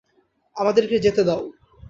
আমাদেরকে যেতে দাও!